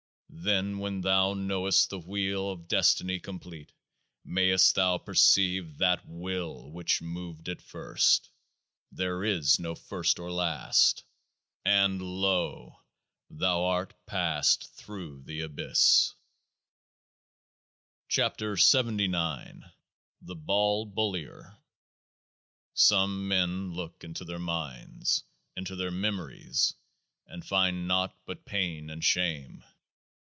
Then, when thou know'st the Wheel of Destiny complete, mayst thou perceive THAT Will which moved it first. [There is no first or last.] And lo ! thou art past through the Abyss. 95 KEOAAH O0 THE BAL BULLIER Some men look into their minds into their memories, and find naught but pain and shame.